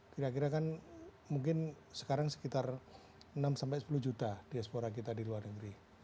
kira kira kan mungkin sekarang sekitar enam sepuluh juta diaspora kita di luar negeri